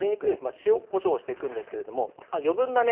塩・こしょうしていくんですけれども余分なね